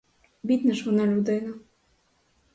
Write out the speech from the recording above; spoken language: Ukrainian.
Бідна ж вона людина!